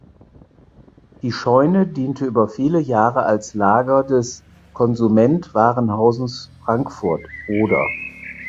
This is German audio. Die Scheune diente über viele Jahre als Lager des „Konsument Warenhauses Frankfurt (Oder)“.